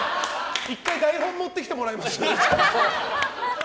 １回台本もってきてもらえます？